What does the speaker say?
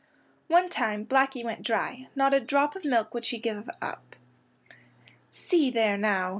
One time Blackey went dry; not a drop of milk would she give. "See there now!"